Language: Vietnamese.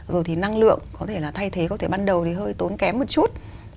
rồi thì năng lượng có thể là thay thế có thể ban đầu thì hơi tốn kém một chút